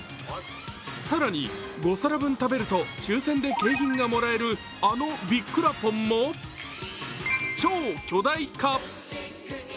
更に、５皿分食べると抽選で景品がもらえるあのビッくらポン！も超巨大化。